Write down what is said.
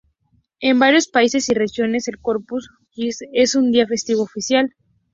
En varios países y regiones, el Corpus Christi es un día festivo oficial.